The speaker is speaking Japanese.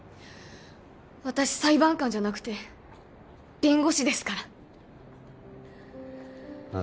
私裁判官じゃなくて弁護士ですからああ